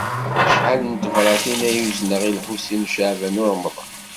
Acḥal n tebṛatin ay tuzneḍ i Lḥusin n Caɛban u Ṛemḍan?